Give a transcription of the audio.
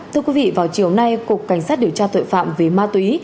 thưa quý vị vào chiều nay cục cảnh sát điều tra tội phạm về ma túy